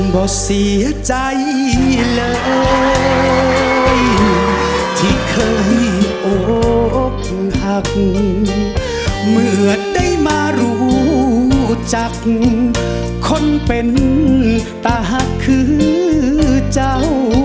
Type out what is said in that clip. บอกเสียใจเลยที่เคยอกหักเหมือนได้มารู้จักคนเป็นตาหักคือเจ้า